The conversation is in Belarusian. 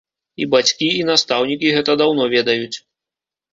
І бацькі, і настаўнікі гэта даўно ведаюць.